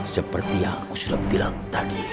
seperti yang aku sudah bilang tadi